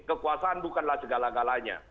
kekuasaan bukanlah segala galanya